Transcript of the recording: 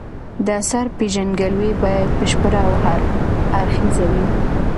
د اثر پېژندګلوي باید بشپړه او هر اړخیزه وي.